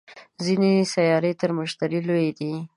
ځینې سیارې تر مشتري لویې دي